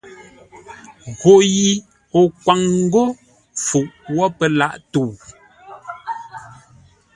Gho yi o kwâŋ ńgó fuʼ wə́ pə́ lâʼ tə̂u.